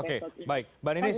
oke baik mbak denis